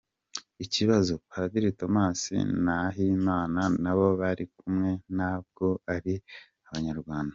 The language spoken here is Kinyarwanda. Ikibazo : Padiri Thomas Nahimana n’abo bari kumwe ntabwo ari abanyarwanda ?